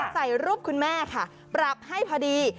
ใส่รูปคุณแม่ค่ะปรับให้พอดี